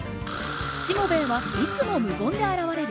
しもべえはいつも無言で現れる。